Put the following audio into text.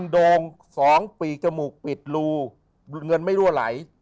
โดง๒ปีกจมูกปิดรูเงินไม่รั่วไหล